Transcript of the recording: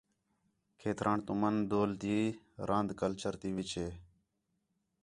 کھیتران تُمن ڈول تی راند کلچر تی وِچ ہے